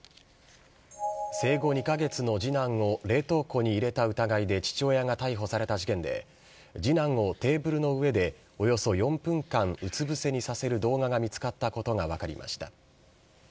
生後２か月の次男を冷凍庫に入れた疑いで、父親が逮捕された事件で、次男をテーブルの上でおよそ４分間うつ伏せにさせる動画が見つかったことが分かりました。